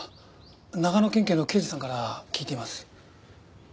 長野県警の刑事さんから聞いています。